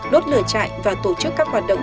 đốt lửa trại và tổ chức các hoạt động